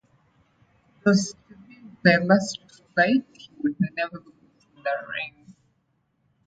It was to be the last fight he would ever lose in the ring.